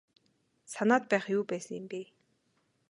Санаад байх юу байсан юм бэ.